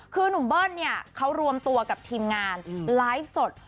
คือหนุ่มเบิ้ลเนี่ยเขารวมตัวกับทีมงานไลฟ์สด